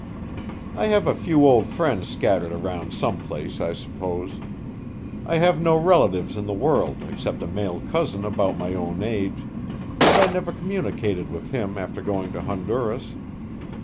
"I have a few old friends scattered around some place, I suppose. I have no relatives in the world except a male cousin about my own age, and I never communicated with him after going to Honduras.